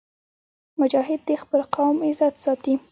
مجاهد د خپل قوم عزت ساتي.